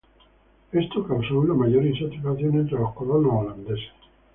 Esto causó una mayor insatisfacción entre los colonos holandeses.